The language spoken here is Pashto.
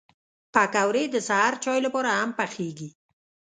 پکورې د سهر چای لپاره هم پخېږي